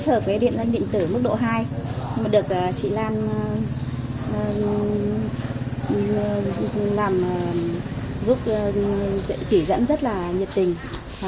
hôm nay tôi đến đây để tích hợp cái điện danh điện tử mức độ hai được chị lan giúp chỉ dẫn rất là nhiệt tình